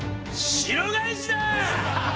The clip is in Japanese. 白返しだ！